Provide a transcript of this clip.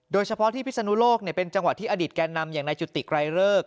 โดยเฉพาะที่พิศนุโลกเป็นจังหวะที่อดีตแก่นำอย่างนายจุติไกรเลิก